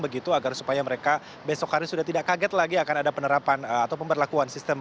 begitu agar supaya mereka besok hari sudah tidak kaget lagi akan ada penerapan atau pemberlakuan sistem